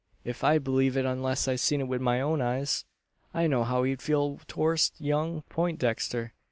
if I'd believe it unless I seed it wi' my own eyes. I know how he feeled torst young Peintdexter.